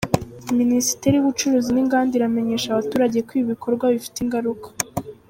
Minisiteri y’Ubucuruzi n’Inganda iramenyesha abaturage ko ibi bikorwa bifite ingaruka.